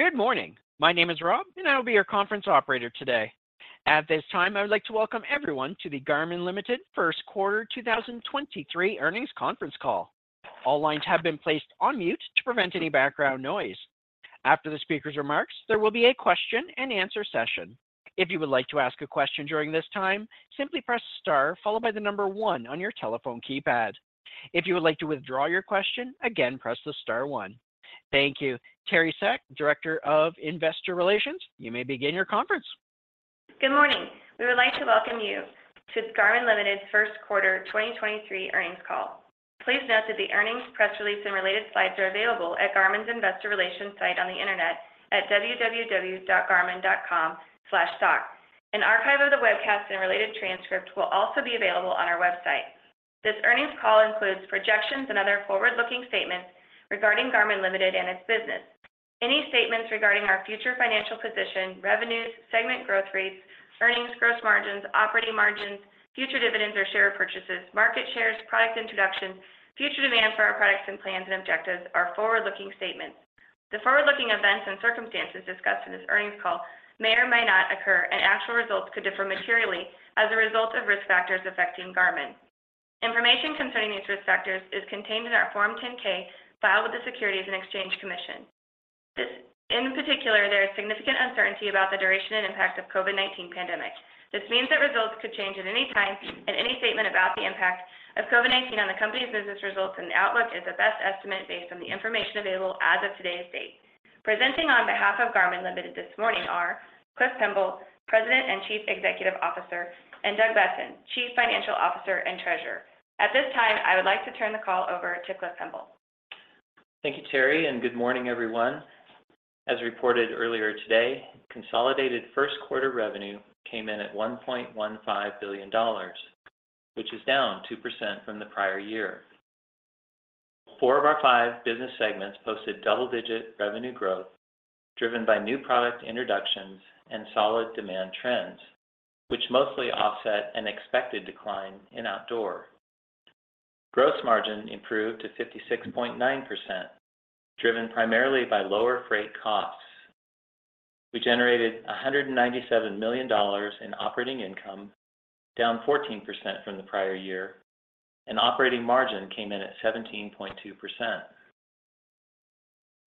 Good morning. My name is Rob, and I will be your conference operator today. At this time, I would like to welcome everyone to the Garmin Ltd. First Quarter 2023 earnings conference call. All lines have been placed on mute to prevent any background noise. After the speaker's remarks, there will be a question-and-answer session. If you would like to ask a question during this time, simply press star followed by the number one on your telephone keypad. If you would like to withdraw your question, again, press the star one. Thank you. Teri Seck, Director of Investor Relations, you may begin your conference. Good morning. We would like to welcome you to Garmin Limited first quarter 2023 earnings call. Please note that the earnings, press release, and related slides are available at Garmin's investor relations site on the Internet at www.garmin.com/stock. An archive of the webcast and related transcript will also be available on our website. This earnings call includes projections and other forward-looking statements regarding Garmin Limited and its business. Any statements regarding our future financial position, revenues, segment growth rates, earnings, gross margins, operating margins, future dividends or share purchases, market shares, product introductions, future demand for our products, and plans and objectives are forward-looking statements. The forward-looking events and circumstances discussed in this earnings call may or may not occur, and actual results could differ materially as a result of risk factors affecting Garmin. Information concerning these risk factors is contained in our Form 10-K filed with the Securities and Exchange Commission. In particular, there is significant uncertainty about the duration and impact of COVID-19 pandemic. This means that results could change at any time, and any statement about the impact of COVID-19 on the company's business results and outlook is a best estimate based on the information available as of today's date. Presenting on behalf of Garmin Ltd. this morning are Cliff Pemble, President and Chief Executive Officer, and Doug Boessen, Chief Financial Officer and Treasurer. At this time, I would like to turn the call over to Cliff Pemble. Thank you, Teri. Good morning, everyone. As reported earlier today, consolidated first quarter revenue came in at $1.15 billion, which is down 2% from the prior year. Four of our five business segments posted double-digit revenue growth driven by new product introductions and solid demand trends, which mostly offset an expected decline in outdoor. Gross margin improved to 56.9%, driven primarily by lower freight costs. We generated $197 million in operating income, down 14% from the prior year, and operating margin came in at 17.2%.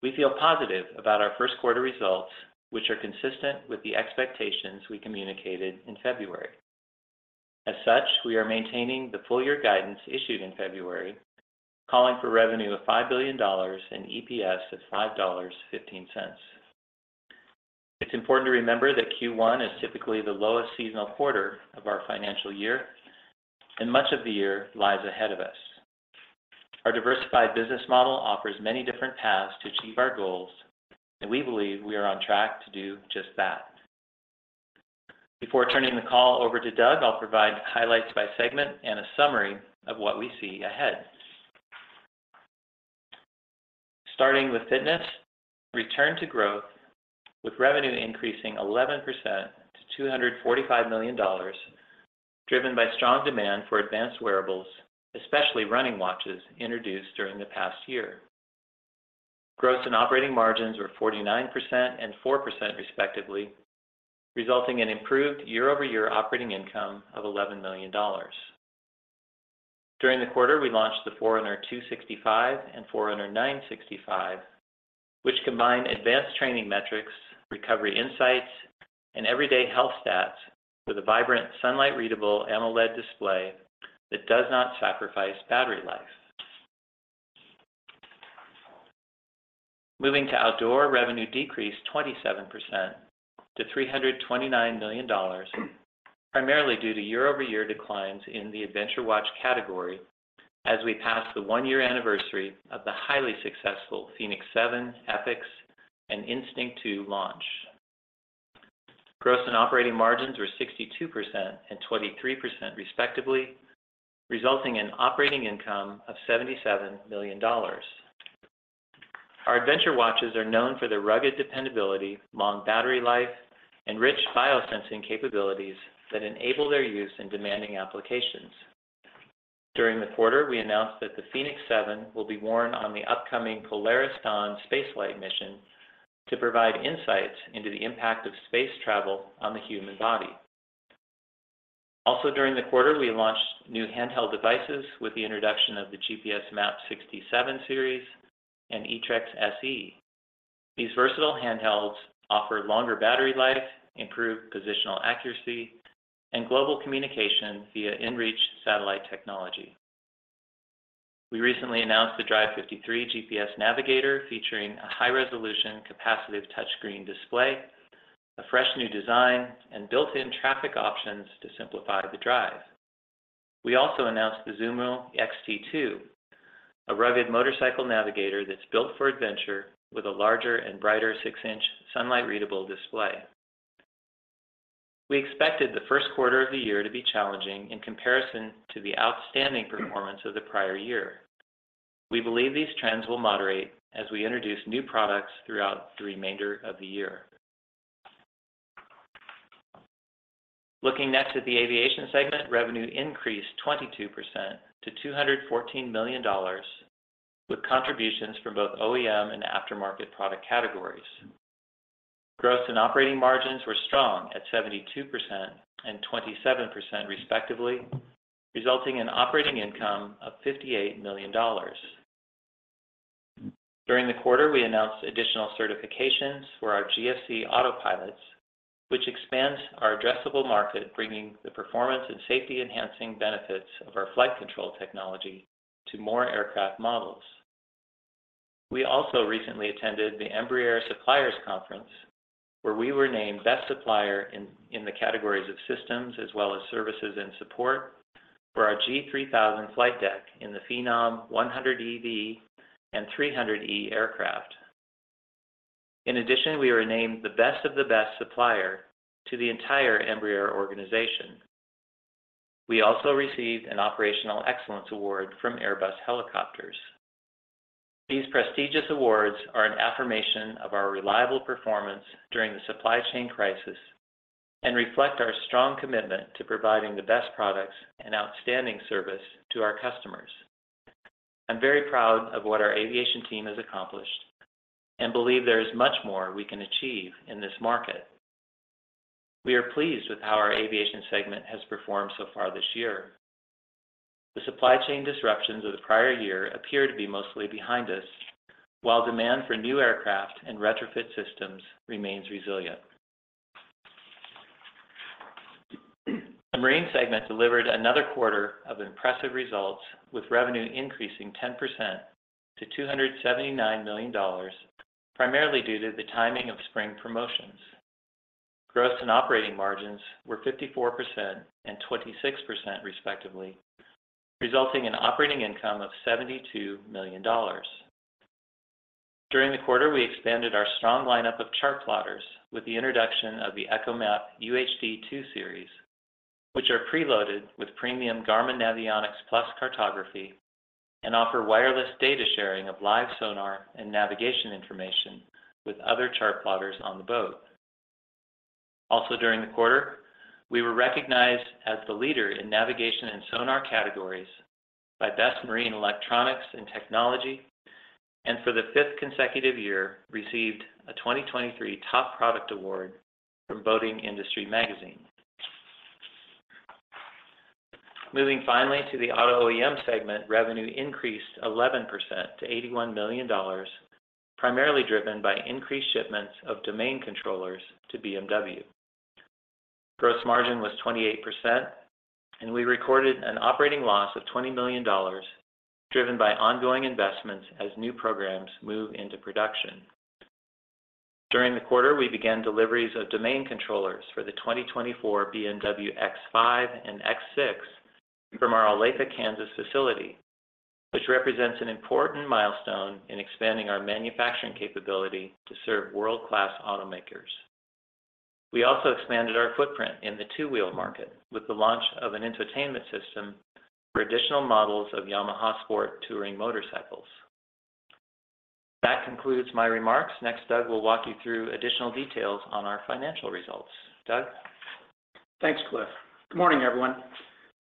We feel positive about our first quarter results, which are consistent with the expectations we communicated in February. As such, we are maintaining the full year guidance issued in February, calling for revenue of $5 billion and EPS of $5.15. It's important to remember that Q1 is typically the lowest seasonal quarter of our financial year, and much of the year lies ahead of us. Our diversified business model offers many different paths to achieve our goals, and we believe we are on track to do just that. Before turning the call over to Doug, I'll provide highlights by segment and a summary of what we see ahead. Starting with fitness, return to growth with revenue increasing 11% to $245 million, driven by strong demand for advanced wearables, especially running watches introduced during the past year. Gross and operating margins were 49% and 4% respectively, resulting in improved year-over-year operating income of $11 million. During the quarter, we launched the Forerunner 265 and Forerunner 965, which combine advanced training metrics, recovery insights, and everyday health stats with a vibrant sunlight-readable AMOLED display that does not sacrifice battery life. Moving to outdoor, revenue decreased 27% to $329 million, primarily due to year-over-year declines in the adventure watch category as we pass the one-year anniversary of the highly successful fēnix 7, Epix, and Instinct 2 launch. Gross and operating margins were 62% and 23% respectively, resulting in operating income of $77 million. Our adventure watches are known for their rugged dependability, long battery life, and rich biosensing capabilities that enable their use in demanding applications. During the quarter, we announced that the fēnix 7 will be worn on the upcoming Polaris Dawn space flight mission to provide insights into the impact of space travel on the human body. Also during the quarter, we launched new handheld devices with the introduction of the GPSMAP 67 series and eTrex SE. These versatile handhelds offer longer battery life, improved positional accuracy, and global communication via inReach satellite technology. We recently announced the Drive 53 GPS navigator, featuring a high-resolution capacitive touchscreen display, a fresh new design, and built-in traffic options to simplify the drive. We also announced the zūmo XT2, a rugged motorcycle navigator that's built for adventure with a larger and brighter 6-inch sunlight-readable display. We expected the first quarter of the year to be challenging in comparison to the outstanding performance of the prior year. We believe these trends will moderate as we introduce new products throughout the remainder of the year. Looking next at the aviation segment, revenue increased 22% to $214 million with contributions from both OEM and aftermarket product categories. Gross and operating margins were strong at 72% and 27% respectively, resulting in operating income of $58 million. During the quarter, we announced additional certifications for our GFC autopilots, which expands our addressable market, bringing the performance and safety-enhancing benefits of our flight control technology to more aircraft models. We also recently attended the Embraer Suppliers Conference, where we were named Best Supplier in the categories of systems as well as services and support for our G3000 flight deck in the Phenom 100EV and 300E aircraft. We were named the Best of the Best Supplier to the entire Embraer organization. We also received an Operational Excellence Award from Airbus Helicopters. These prestigious awards are an affirmation of our reliable performance during the supply chain crisis and reflect our strong commitment to providing the best products and outstanding service to our customers. I'm very proud of what our aviation team has accomplished and believe there is much more we can achieve in this market. We are pleased with how our aviation segment has performed so far this year. The supply chain disruptions of the prior year appear to be mostly behind us, while demand for new aircraft and retrofit systems remains resilient. The Marine segment delivered another quarter of impressive results, with revenue increasing 10% to $279 million, primarily due to the timing of spring promotions. Gross and operating margins were 54% and 26% respectively, resulting in operating income of $72 million. During the quarter, we expanded our strong lineup of chart plotters with the introduction of the ECHOMAP UHD2 series, which are preloaded with premium Garmin Navionics+ cartography and offer wireless data sharing of live sonar and navigation information with other chart plotters on the boat. For the fifth consecutive year, we were recognized as the leader in navigation and sonar categories by Best Marine Electronics and Technology, and received a 2023 Top Product Award from Boating Industry Magazine. Moving finally to the Auto OEM segment, revenue increased 11% to $81 million, primarily driven by increased shipments of domain controllers to BMW. Gross margin was 28%. We recorded an operating loss of $20 million, driven by ongoing investments as new programs move into production. During the quarter, we began deliveries of domain controllers for the 2024 BMW X5 and X6 from our Olathe, Kansas facility, which represents an important milestone in expanding our manufacturing capability to serve world-class automakers. We also expanded our footprint in the two-wheel market with the launch of an entertainment system for additional models of Yamaha sport touring motorcycles. That concludes my remarks. Next, Doug will walk you through additional details on our financial results. Doug? Thanks, Cliff. Good morning, everyone.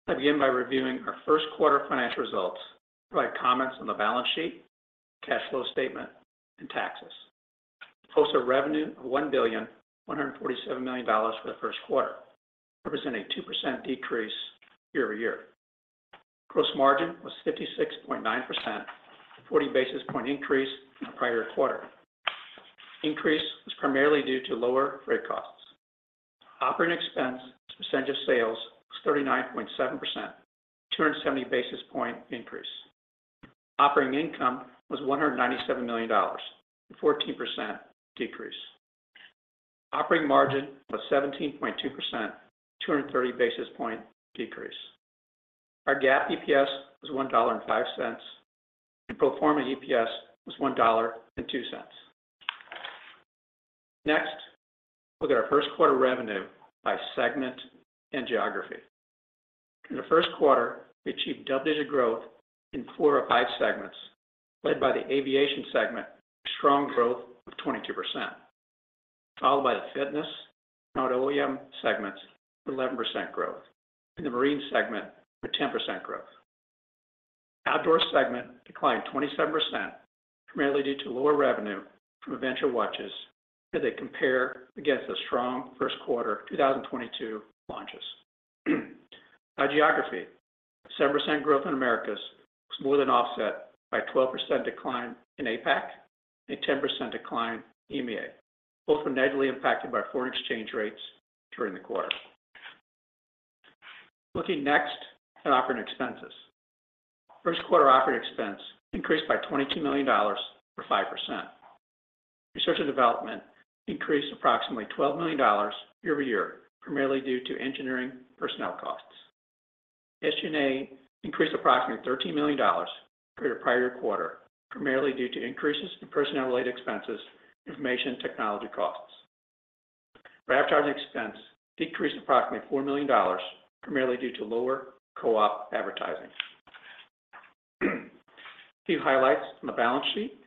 I begin by reviewing our first quarter financial results, provide comments on the balance sheet, cash flow statement, and taxes. We post a revenue of $1,147 million for the first quarter, representing a 2% decrease year-over-year. Gross margin was 56.9%, a 40 basis points increase from the prior quarter. Increase was primarily due to lower freight costs. Operating expense as a percentage of sales was 39.7%, a 270 basis point increase. Operating income was $197 million, a 14% decrease. Operating margin was 17.2%, 230 basis points decrease. Our GAAP EPS was $1.05, and pro forma EPS was $1.02. Look at our first quarter revenue by segment and geography. In the first quarter, we achieved double-digit growth in four of five segments, led by the aviation segment with strong growth of 22%, followed by the fitness and auto OEM segments with 11% growth, and the marine segment with 10% growth. The outdoor segment declined 27%, primarily due to lower revenue from adventure watches as they compare against the strong first quarter 2022 launches. By geography, 7% growth in Americas was more than offset by a 12% decline in APAC and a 10% decline in EMEA, both were negatively impacted by foreign exchange rates during the quarter. Looking next at operating expenses. First quarter operating expense increased by $22 million, or 5%. Research and development increased approximately $12 million year-over-year, primarily due to engineering personnel costs. SG&A increased approximately $13 million compared to prior quarter, primarily due to increases in personnel-related expenses and information technology costs. Brand advertising expense decreased approximately $4 million, primarily due to lower co-op advertising. Few highlights from the balance sheet,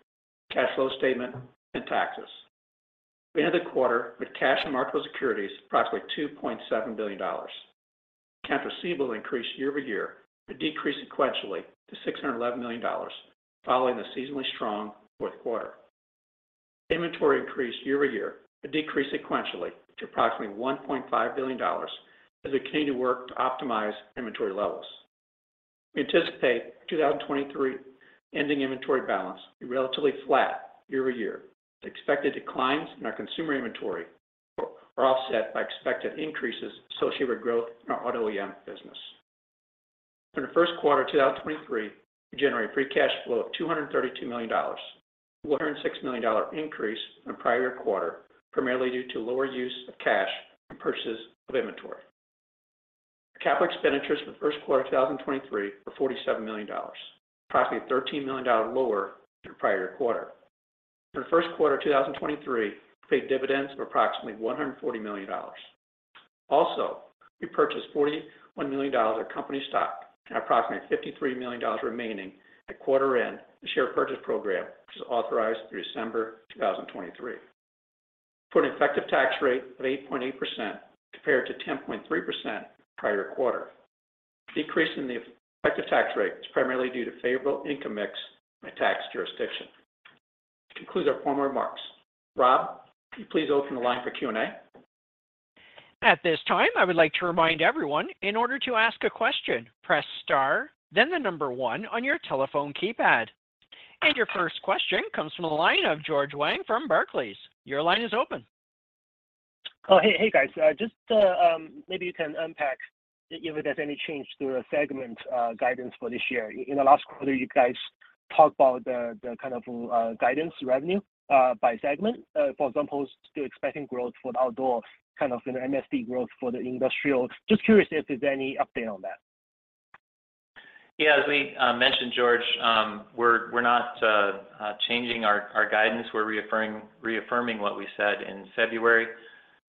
cash flow statement, and taxes. We ended the quarter with cash and marketable securities approximately $2.7 billion. Accounts receivable increased year-over-year, but decreased sequentially to $611 million, following the seasonally strong fourth quarter. Inventory increased year-over-year, but decreased sequentially to approximately $1.5 billion as we continue to work to optimize inventory levels. We anticipate 2023 ending inventory balance be relatively flat year-over-year, with expected declines in our consumer inventory are offset by expected increases associated with growth in our auto OEM business. For the first quarter 2023, we generated free cash flow of $232 million, a $406 million increase from the prior quarter, primarily due to lower use of cash in purchases of inventory. Our capital expenditures for the first quarter 2023 were $47 million, approximately $13 million lower than the prior quarter. For the first quarter 2023, we paid dividends of approximately $140 million. Also, we purchased $41 million of company stock and have approximately $53 million remaining at quarter end in the share purchase program, which is authorized through December 2023. We put an effective tax rate of 8.8% compared to 10.3% in the prior quarter. The decrease in the effective tax rate was primarily due to favorable income mix by tax jurisdiction. Rob, could you please open the line for Q&A? At this time, I would like to remind everyone, in order to ask a question, press star then number one on your telephone keypad. Your first question comes from the line of George Wang from Barclays. Your line is open. Hey. Hey, guys. Just maybe you can unpack if there's any change to the segment guidance for this year. In the last quarter, you guys talked about the kind of guidance revenue by segment. For example, still expecting growth for outdoor, kind of an MSP growth for the industrial. Just curious if there's any update on that. Yeah. As we mentioned, George, we're not changing our guidance. We're reaffirming what we said in February.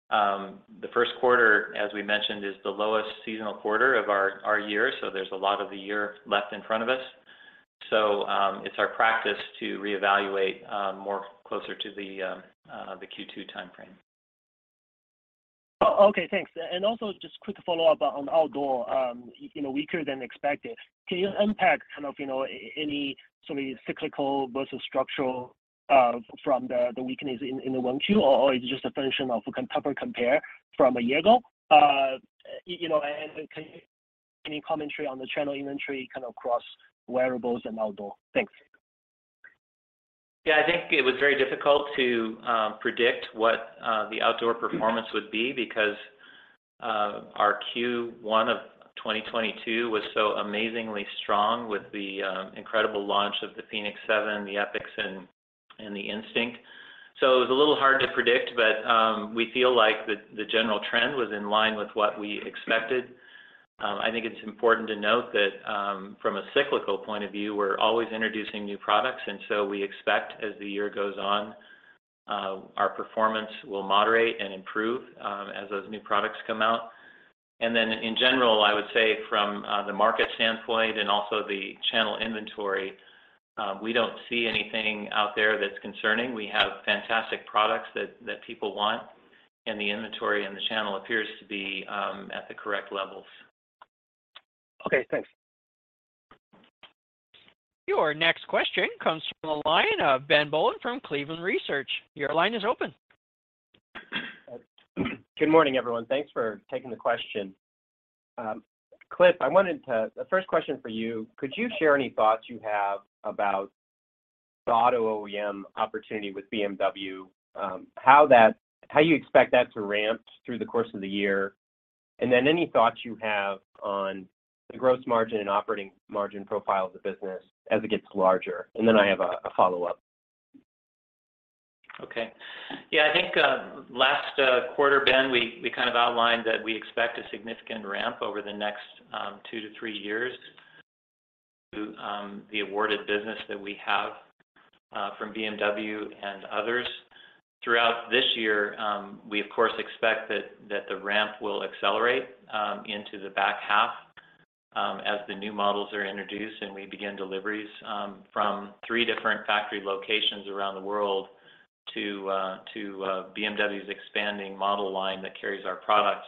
The first quarter, as we mentioned, is the lowest seasonal quarter of our year, so there's a lot of the year left in front of us. It's our practice to reevaluate more closer to the Q2 timeframe. Okay, thanks. Also, just quick follow-up on Outdoor, you know, weaker than expected. Can you unpack kind of, you know, any sort of cyclical versus structural from the weakness in the one, two, or it's just a function of a compare from a year ago? You know, can you any commentary on the channel inventory kind of across wearables and Outdoor? Thanks. Yeah. I think it was very difficult to predict what the outdoor performance would be because our Q1 2022 was so amazingly strong with the incredible launch of the fēnix 7, the Epix, and the Instinct. It was a little hard to predict, but we feel like the general trend was in line with what we expected. I think it's important to note that from a cyclical point of view, we're always introducing new products, and so we expect as the year goes on, our performance will moderate and improve as those new products come out. In general, I would say from the market standpoint and also the channel inventory, we don't see anything out there that's concerning. We have fantastic products that people want, and the inventory and the channel appears to be at the correct levels. Okay, thanks. Your next question comes from the line of Ben Bollin from Cleveland Research. Your line is open. Good morning, everyone. Thanks for taking the question. Cliff, the first question for you, could you share any thoughts you have about the auto OEM opportunity with BMW, how you expect that to ramp through the course of the year? Any thoughts you have on the gross margin and operating margin profile of the business as it gets larger. I have a follow-up. Okay. Yeah, I think, last quarter, Ben, we kind of outlined that we expect a significant ramp over the next two to three years through the awarded business that we have from BMW and others. Throughout this year, we of course expect that the ramp will accelerate into the back half as the new models are introduced and we begin deliveries from three different factory locations around the world to BMW's expanding model line that carries our products.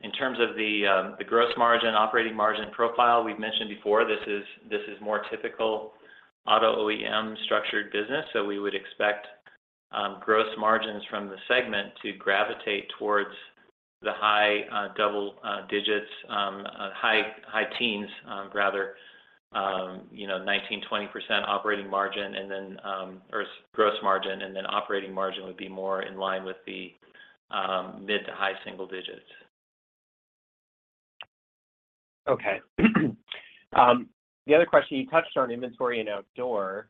In terms of the gross margin, operating margin profile, we've mentioned before this is more typical auto OEM structured business. We would expect gross margins from the segment to gravitate towards the high double digits, high teens, rather, you know, 19%-20% gross margin, and then operating margin would be more in line with the mid- to high single digits. Okay. The other question, you touched on inventory and outdoor.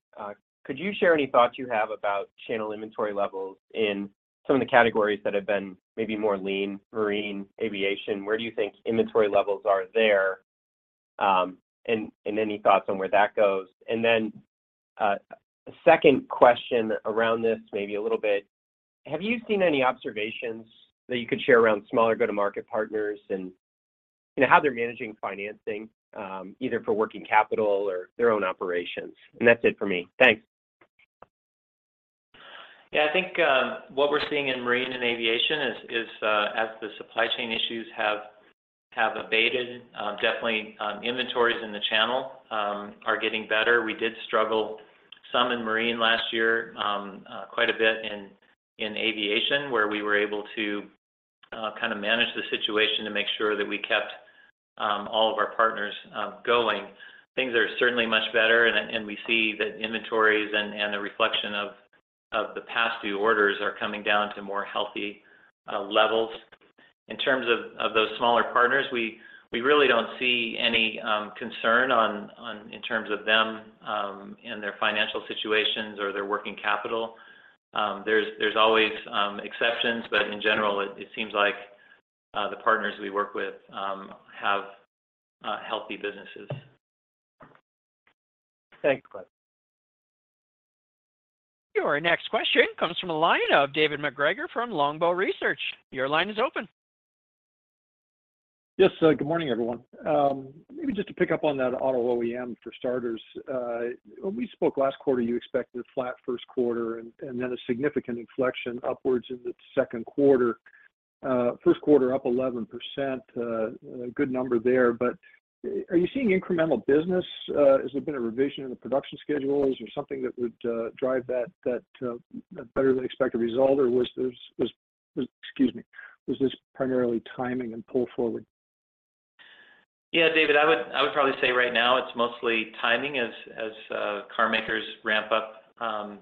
Could you share any thoughts you have about channel inventory levels in some of the categories that have been maybe more lean, marine, aviation? Where do you think inventory levels are there? Any thoughts on where that goes? A second question around this maybe a little bit. Have you seen any observations that you could share around smaller go-to-market partners and, you know, how they're managing financing, either for working capital or their own operations? That's it for me. Thanks. I think what we're seeing in marine and aviation is as the supply chain issues have abated, definitely inventories in the channel are getting better. We did struggle some in marine last year, quite a bit in aviation, where we were able to kind of manage the situation to make sure that we kept all of our partners going. Things are certainly much better and we see that inventories and the reflection of the past due orders are coming down to more healthy levels. In terms of those smaller partners, we really don't see any concern on in terms of them and their financial situations or their working capital. There's always exceptions, but in general, it seems like the partners we work with have healthy businesses. Thanks, Cliff. Your next question comes from the line of David MacGregor from Longbow Research. Your line is open. Yes. Good morning, everyone. Maybe just to pick up on that auto OEM for starters. When we spoke last quarter, you expected a flat first quarter and then a significant inflection upwards in the second quarter. First quarter up 11%. A good number there. Are you seeing incremental business? Has there been a revision in the production schedule? Is there something that would drive that better than expected result, or was this, excuse me. Was this primarily timing and pull forward? Yeah, David, I would probably say right now it's mostly timing as car makers ramp up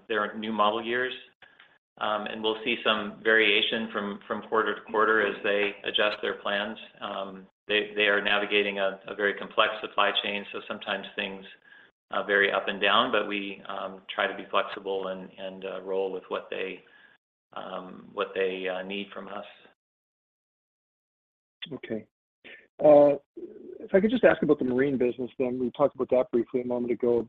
their new model years. We'll see some variation from quarter to quarter as they adjust their plans. They are navigating a very complex supply chain, so sometimes things vary up and down, but we try to be flexible and roll with what they need from us. Okay. If I could just ask about the marine business. We talked about that briefly a moment ago.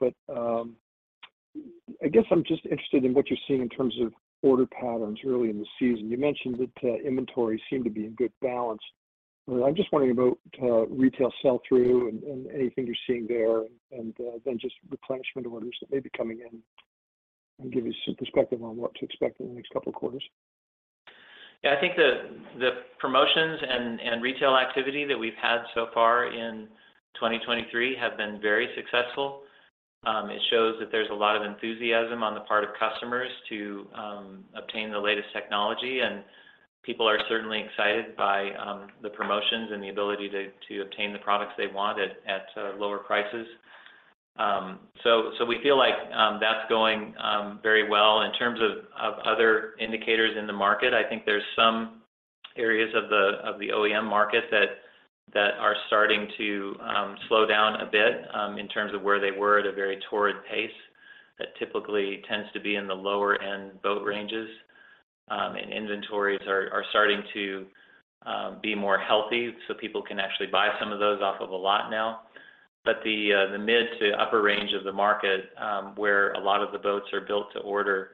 I guess I'm just interested in what you're seeing in terms of order patterns early in the season. You mentioned that inventory seemed to be in good balance. I'm just wondering about retail sell-through and anything you're seeing there, just replenishment orders that may be coming in, give you some perspective on what to expect in the next couple of quarters. Yeah, I think the promotions and retail activity that we've had so far in 2023 have been very successful. It shows that there's a lot of enthusiasm on the part of customers to obtain the latest technology, and people are certainly excited by the promotions and the ability to obtain the products they want at lower prices. We feel like that's going very well. In terms of other indicators in the market, I think there's some areas of the OEM market that are starting to slow down a bit in terms of where they were at a very torrid pace that typically tends to be in the lower-end boat ranges. Inventories are starting to be more healthy, so people can actually buy some of those off of a lot now. The mid to upper range of the market, where a lot of the boats are built to order,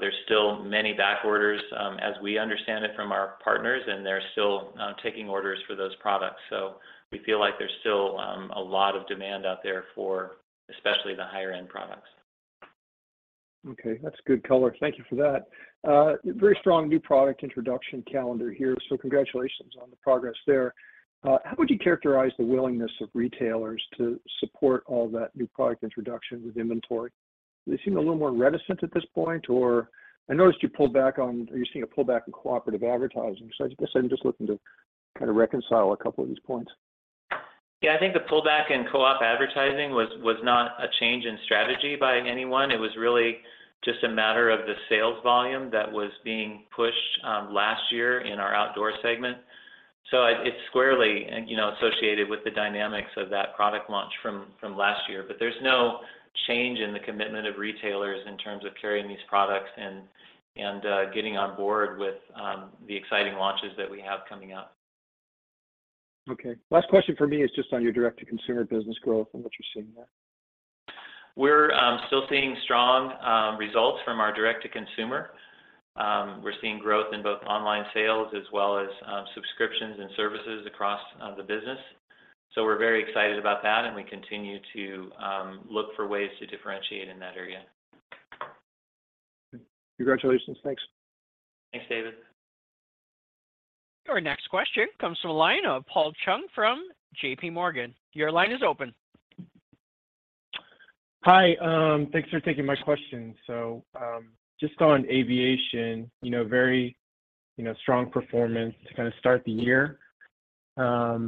there's still many back orders, as we understand it from our partners, and they're still taking orders for those products. We feel like there's still a lot of demand out there for especially the higher end products. Okay, that's good color. Thank you for that. Very strong new product introduction calendar here, so congratulations on the progress there. How would you characterize the willingness of retailers to support all that new product introduction with inventory? Do they seem a little more reticent at this point, or... I noticed you're seeing a pullback in cooperative advertising. I guess I'm just looking to kind of reconcile a couple of these points. I think the pullback in co-op advertising was not a change in strategy by anyone. It was really just a matter of the sales volume that was being pushed last year in our outdoor segment. It's squarely, you know, associated with the dynamics of that product launch from last year. There's no change in the commitment of retailers in terms of carrying these products and getting on board with the exciting launches that we have coming up. Okay. Last question from me is just on your direct-to-consumer business growth and what you're seeing there. We're still seeing strong results from our direct to consumer. We're seeing growth in both online sales as well as subscriptions and services across the business. We're very excited about that, and we continue to look for ways to differentiate in that area. Congratulations. Thanks. Thanks, David. Our next question comes from a line of Paul Chung from J.P. Morgan. Your line is open. Hi. Thanks for taking my question. Just on aviation, very strong performance to kind of start the year. I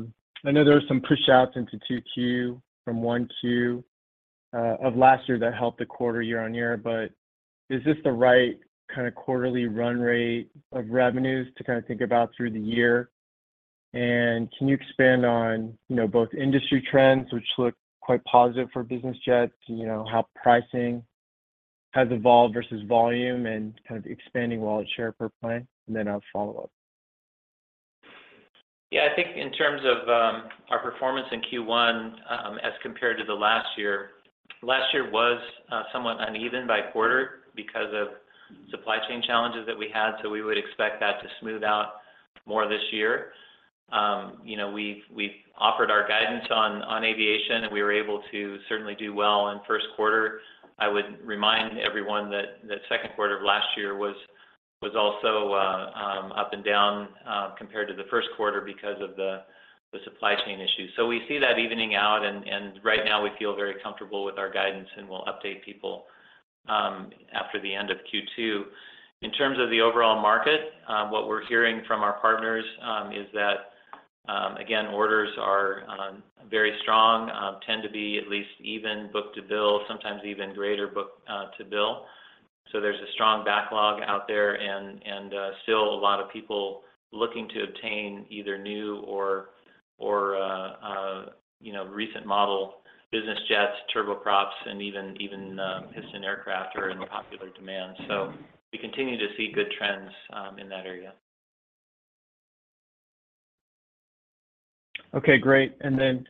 know there were some pushouts into Q2 from Q1 of last year that helped the quarter year-over-year, but is this the right kind of quarterly run rate of revenues to kind of think about through the year? Can you expand on both industry trends, which look quite positive for business jets, how pricing has evolved versus volume and kind of expanding wallet share per plane? I'll follow up. I think in terms of our performance in Q1, as compared to the last year, last year was somewhat uneven by quarter because of supply chain challenges that we had. We would expect that to smooth out more this year. You know, we've offered our guidance on aviation, and we were able to certainly do well in first quarter. I would remind everyone that the second quarter of last year was also up and down compared to the first quarter because of the supply chain issues. We see that evening out and right now we feel very comfortable with our guidance, and we'll update people after the end of Q2. In terms of the overall market, what we're hearing from our partners, is that, again, orders are very strong, tend to be at least even book-to-bill, sometimes even greater book to bill. There's a strong backlog out there and still a lot of people looking to obtain either new or, you know, recent model business jets, turboprops, and even piston aircraft are in popular demand. We continue to see good trends in that area. Okay, great. Then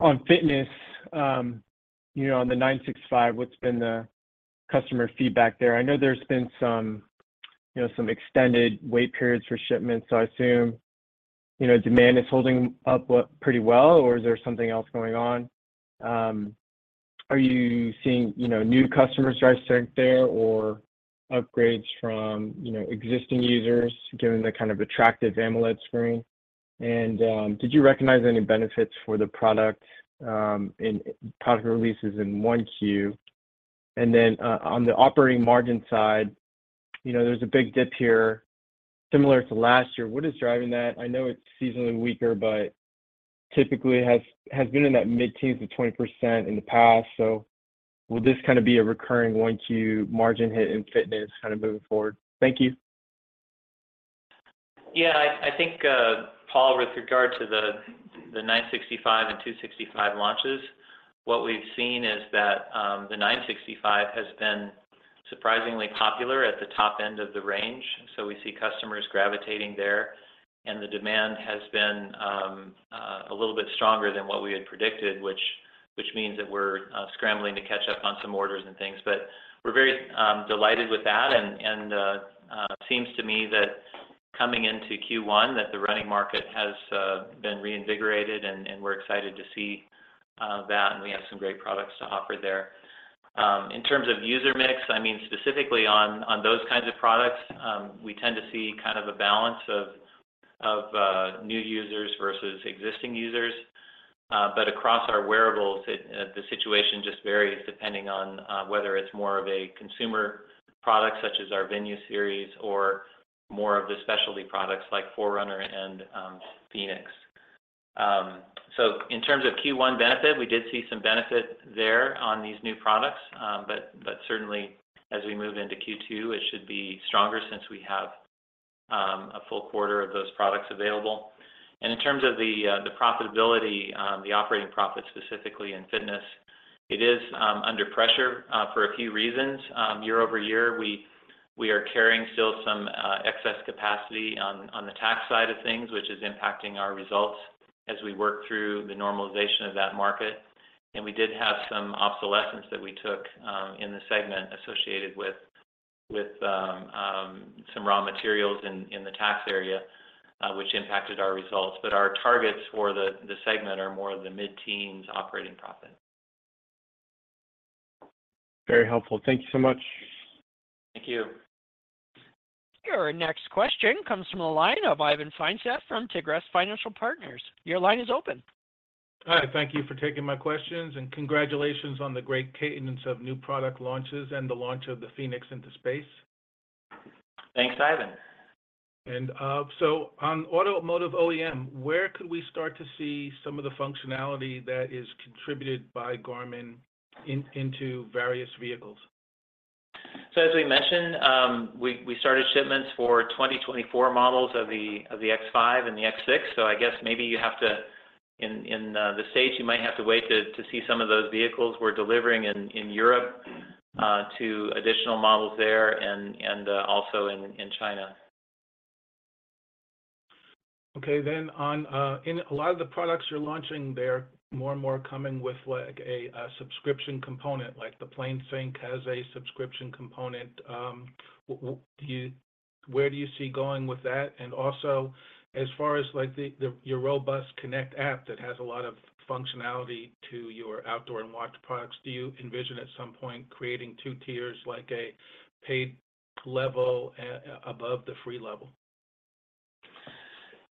on fitness, you know, on the Forerunner 965, what's been the customer feedback there? I know there's been some, you know, some extended wait periods for shipments, I assume, you know, demand is holding up pretty well or is there something else going on? Are you seeing, you know, new customers start to sync there or upgrades from, you know, existing users given the kind of attractive AMOLED screen? Did you recognize any benefits for the product in product releases in Q1? On the operating margin side, you know, there's a big dip here similar to last year. What is driving that? I know it's seasonally weaker, typically has been in that mid-teens to 20% in the past. Will this kind of be a recurring one to margin hit in fitness kind of moving forward? Thank you. Yeah. I think, Paul, with regard to the 965 and 265 launches, what we've seen is that the 965 has been surprisingly popular at the top end of the range, so we see customers gravitating there. The demand has been a little bit stronger than what we had predicted, which means that we're scrambling to catch up on some orders and things. We're very delighted with that and seems to me that coming into Q1, that the running market has been reinvigorated, and we're excited to see that and we have some great products to offer there. In terms of user mix, I mean, specifically on those kinds of products, we tend to see kind of a balance of new users versus existing users. Across our wearables the situation just varies depending on whether it's more of a consumer product, such as our Venu series or more of the specialty products like Forerunner and fēnix. In terms of Q1 benefit, we did see some benefit there on these new products. Certainly as we move into Q2, it should be stronger since we have a full quarter of those products available. In terms of the profitability, the operating profit specifically in fitness, it is under pressure for a few reasons. Year-over-year, we are carrying still some excess capacity on the tax side of things, which is impacting our results as we work through the normalization of that market. We did have some obsolescence that we took, in the segment associated with some raw materials in the tax area, which impacted our results. Our targets for the segment are more of the mid-teens operating profit. Very helpful. Thank you so much. Thank you. Your next question comes from the line of Ivan Feinseth from Tigress Financial Partners. Your line is open. Hi, thank you for taking my questions, and congratulations on the great cadence of new product launches and the launch of the fēnix into space. Thanks, Ivan. On automotive OEM, where could we start to see some of the functionality that is contributed by Garmin into various vehicles? As we mentioned, we started shipments for 2024 models of the X5 and the X6. I guess maybe in the States, you might have to wait to see some of those vehicles. We're delivering in Europe, to additional models there and also in China. Okay. In a lot of the products you're launching, they're more and more coming with like a subscription component. Like the PlaneSync has a subscription component. Where do you see going with that? As far as like the your robust Connect app that has a lot of functionality to your outdoor and watch products, do you envision at some point creating two tiers, like a paid level above the free level?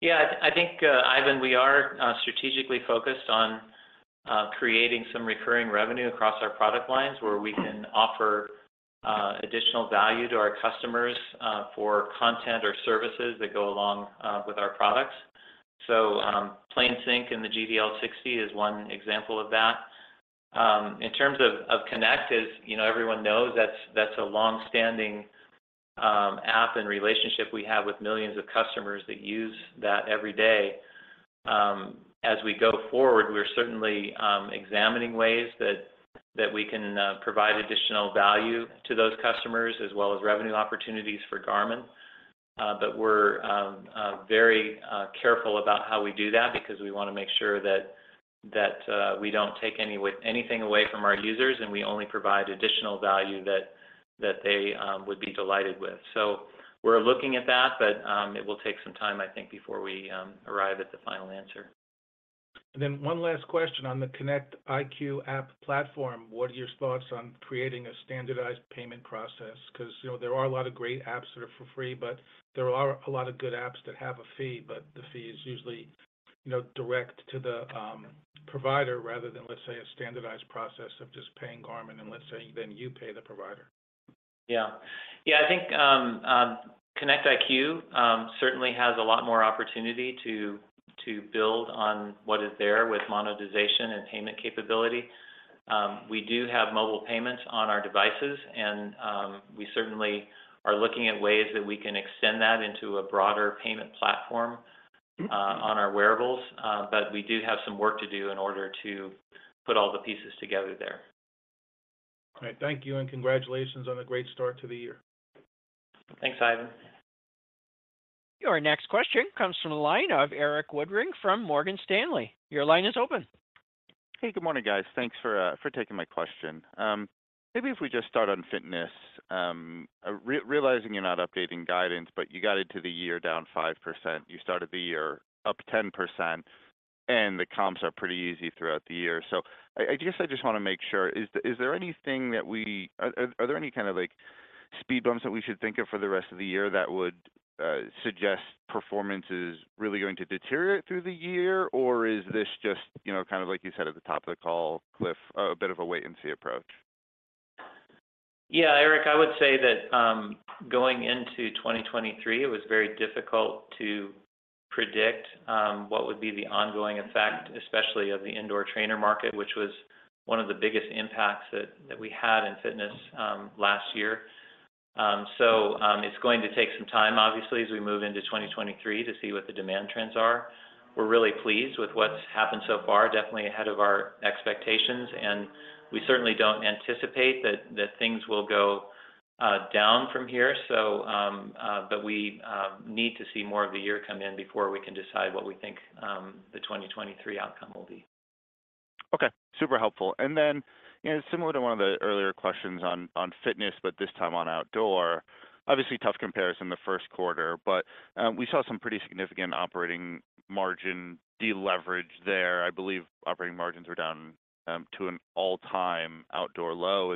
I think, Ivan, we are strategically focused on creating some recurring revenue across our product lines where we can offer additional value to our customers for content or services that go along with our products. PlaneSync and the GDL 60 is one example of that. In terms of Connect, as, you know, everyone knows, that's a long-standing app and relationship we have with millions of customers that use that every day. As we go forward, we're certainly examining ways that we can provide additional value to those customers as well as revenue opportunities for Garmin. We're very careful about how we do that because we wanna make sure that we don't take anything away from our users, and we only provide additional value that they would be delighted with. We're looking at that, but it will take some time, I think, before we arrive at the final answer. Then one last question on the Connect IQ app platform. What are your thoughts on creating a standardized payment process? 'Cause, you know, there are a lot of great apps that are for free, but there are a lot of good apps that have a fee, but the fee is usually, you know, direct to the provider rather than, let's say, a standardized process of just paying Garmin and, let's say, then you pay the provider. Yeah. Yeah, I think, Connect IQ certainly has a lot more opportunity to build on what is there with monetization and payment capability. We do have mobile payments on our devices, and we certainly are looking at ways that we can extend that into a broader payment platform... Mm-hmm. On our wearables. We do have some work to do in order to put all the pieces together there. All right. Thank you, and congratulations on a great start to the year. Thanks, Ivan. Your next question comes from the line of Erik Woodring from Morgan Stanley. Your line is open. Hey. Good morning, guys. Thanks for taking my question. Realizing you're not updating guidance, you got into the year down 5%. You started the year up 10%, the comps are pretty easy throughout the year. I guess I just wanna make sure. Are there any kind of, like, speed bumps that we should think of for the rest of the year that would suggest performance is really going to deteriorate through the year? Is this just, you know, kind of like you said at the top of the call, Cliff, a bit of a wait and see approach? Yeah, Erik, I would say that, going into 2023, it was very difficult to predict what would be the ongoing effect, especially of the indoor trainer market, which was one of the biggest impacts that we had in fitness last year. It's going to take some time, obviously, as we move into 2023 to see what the demand trends are. We're really pleased with what's happened so far, definitely ahead of our expectations. We certainly don't anticipate that things will go down from here. We need to see more of the year come in before we can decide what we think the 2023 outcome will be. Okay, super helpful. Then, you know, similar to one of the earlier questions on fitness, but this time on outdoor. Obviously, tough comparison the first quarter, but, we saw some pretty significant operating margin deleverage there. I believe operating margins were down, to an all-time outdoor low.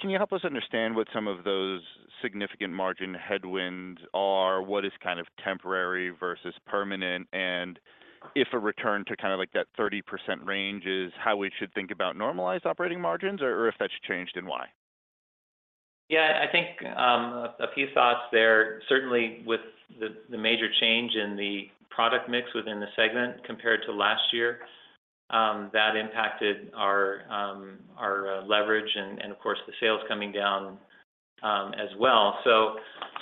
Can you help us understand what some of those significant margin headwinds are? What is kind of temporary versus permanent? If a return to kind of like that 30% range is how we should think about normalized operating margins, or if that's changed, then why? Yeah. I think a few thoughts there. Certainly with the major change in the product mix within the segment compared to last year, that impacted our leverage and of course, the sales coming down as well.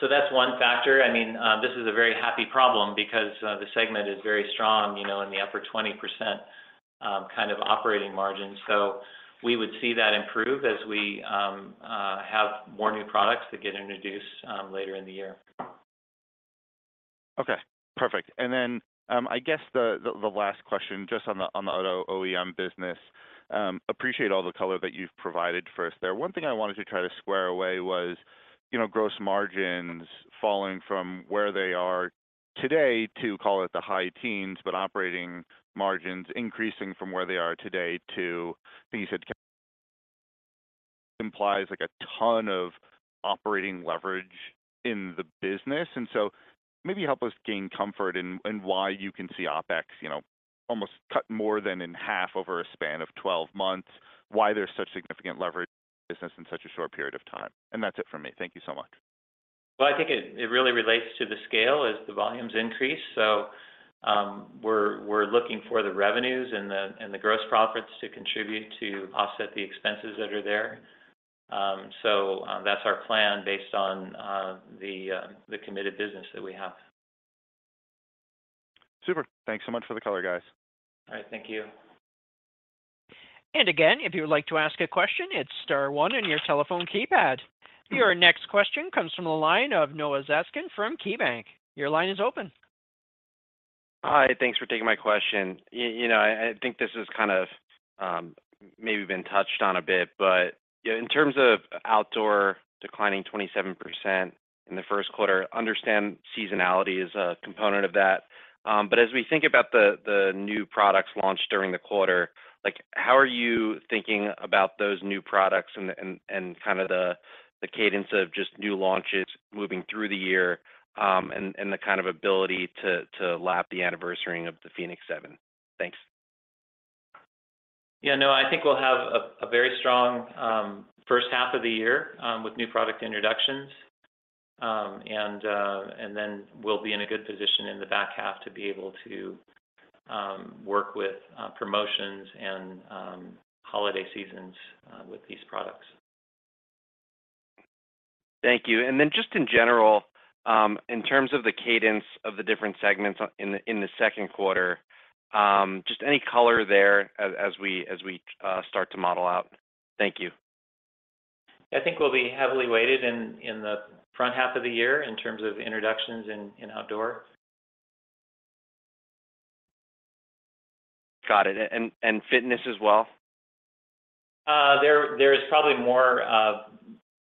That's one factor. I mean, this is a very happy problem because the segment is very strong, you know, in the upper 20% kind of operating margin. We would see that improve as we have more new products that get introduced later in the year. Perfect. I guess the last question, just on the auto OEM business. Appreciate all the color that you've provided for us there. One thing I wanted to try to square away was, you know, gross margins falling from where they are today to, call it, the high teens, but operating margins increasing from where they are today to things that implies like a ton of operating leverage in the business. Maybe help us gain comfort in why you can see OpEx, you know, almost cut more than in half over a span of 12 months, why there's such significant leverage in the business in such a short period of time? That's it for me. Thank you so much. Well, I think it really relates to the scale as the volumes increase. We're looking for the revenues and the gross profits to contribute to offset the expenses that are there. That's our plan based on the committed business that we have. Super. Thanks so much for the color, guys. All right. Thank you. Again, if you would like to ask a question, it's star one on your telephone keypad. Your next question comes from the line of Noah Zatzkin from KeyBanc. Your line is open. Hi. Thanks for taking my question. You know, I think this has kind of maybe been touched on a bit. You know, in terms of outdoor declining 27% in the first quarter, understand seasonality is a component of that. As we think about the new products launched during the quarter, like, how are you thinking about those new products and kind of the cadence of just new launches moving through the year, and the kind of ability to lap the anniversarying of the fēnix 7? Thanks. Noah. I think we'll have a very strong first half of the year with new product introductions. Then we'll be in a good position in the back half to be able to work with promotions and holiday seasons with these products. Thank you. Just in general, in terms of the cadence of the different segments in the second quarter, just any color there as we start to model out? Thank you. I think we'll be heavily weighted in the front half of the year in terms of introductions in outdoor. Got it. Fitness as well? There is probably more,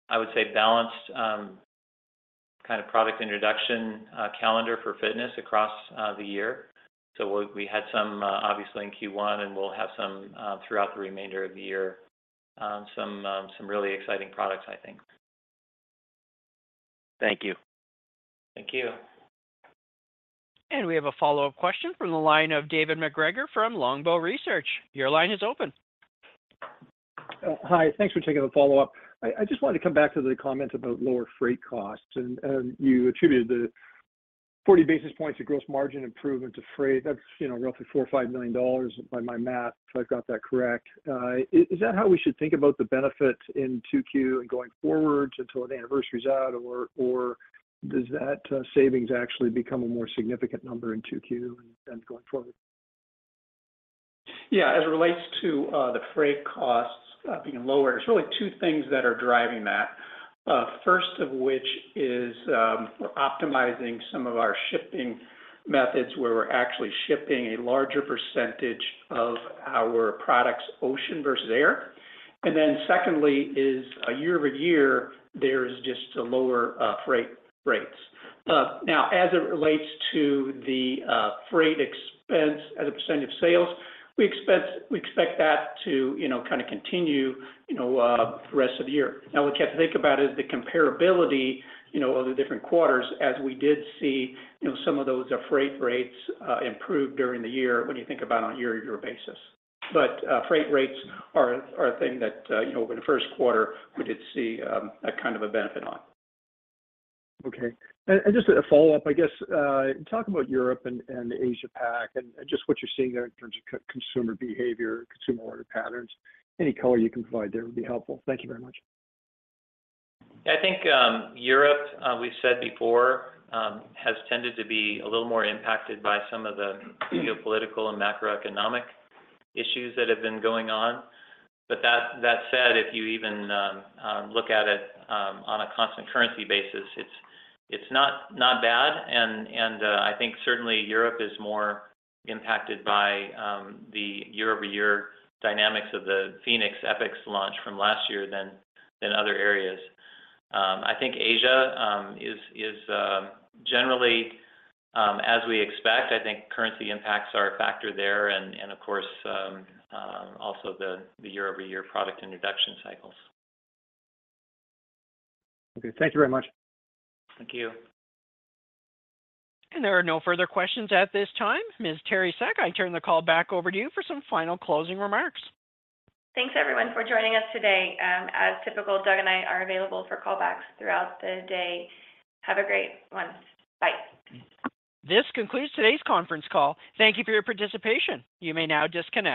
I would say balanced, kind of product introduction, calendar for fitness across the year. We had some, obviously in Q1, and we'll have some, throughout the remainder of the year. Some really exciting products, I think. Thank you. Thank you. We have a follow-up question from the line of David MacGregor from Longbow Research. Your line is open. Hi. Thanks for taking the follow-up. I just wanted to come back to the comments about lower freight costs and you attributed the 40 basis points of gross margin improvement to freight. That's, you know, roughly $4 million-$5 million by my math, if I've got that correct. Is that how we should think about the benefit in Q2 and going forward until the anniversary's out? Or does that savings actually become a more significant number in Q2 and going forward? Yeah. As it relates to the freight costs being lower, there's really two things that are driving that. First of which is, we're optimizing some of our shipping methods where we're actually shipping a larger percentage of our products ocean versus air. Secondly is year-over-year, there's just a lower freight rates. Now as it relates to the freight expense as a percent of sales, we expect that to, you know, kind of continue, you know, the rest of the year. Now we have to think about is the comparability, you know, of the different quarters as we did see, you know, some of those freight rates improve during the year when you think about on a year-over-year basis. Freight rates are a thing that, you know, over the first quarter, we did see, a kind of a benefit on. Okay. Just a follow-up, I guess. Talk about Europe and Asia Pac and just what you're seeing there in terms of consumer behavior, consumer order patterns. Any color you can provide there would be helpful. Thank you very much. I think Europe, we've said before, has tended to be a little more impacted by some of the geopolitical and macroeconomic issues that have been going on. That said, if you even look at it on a constant currency basis, it's not bad and I think certainly Europe is more impacted by the year-over-year dynamics of the fēnix, Epix launch from last year than other areas. I think Asia is generally as we expect. I think currency impacts are a factor there and of course also the year-over-year product introduction cycles. Okay. Thank you very much. Thank you. There are no further questions at this time. Ms. Teri Seck, I turn the call back over to you for some final closing remarks. Thanks everyone for joining us today. As typical, Doug and I are available for callbacks throughout the day. Have a great one. Bye. This concludes today's conference call. Thank you for your participation. You may now disconnect.